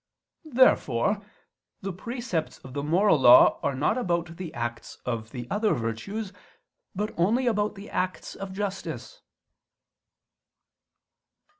Therefore the precepts of the moral law are not about the acts of the other virtues, but only about the acts of justice.